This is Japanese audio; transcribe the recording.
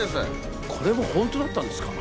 これも本当だったんですか？